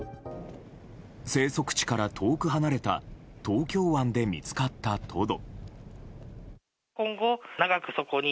生息地から遠く離れた東京湾で見つかったトド。